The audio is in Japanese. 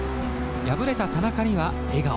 敗れた田中には笑顔。